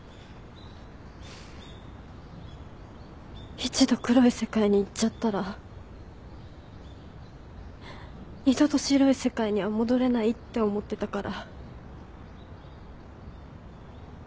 一度黒い世界に行っちゃったら二度と白い世界には戻れないって思ってたから。